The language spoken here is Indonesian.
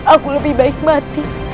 aku lebih baik mati